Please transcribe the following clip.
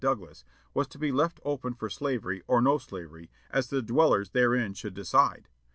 Douglas, was to be left open for slavery or no slavery, as the dwellers therein should decide.